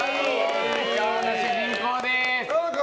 今日の主人公です。